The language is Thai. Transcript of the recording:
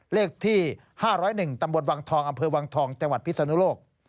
เลขที่๕๐๑ตำบลวังทองอำเภอวังทองจังหวัดพิศนุโลก